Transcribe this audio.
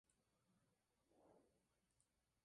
Carlos Manuel retuvo de todos modos el título de rey.